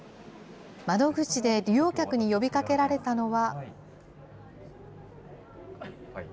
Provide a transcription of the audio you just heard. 窓口で利用客に呼びかけられたのは。